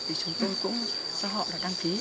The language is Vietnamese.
thì chúng tôi cũng cho họ đăng ký